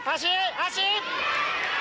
足！